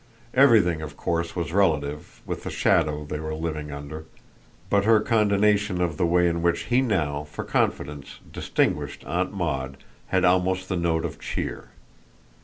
Everything of course was relative, with the shadow they were living under; but her condonation of the way in which he now, for confidence, distinguished Aunt Maud had almost the note of cheer.